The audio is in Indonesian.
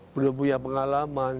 belum punya pengalaman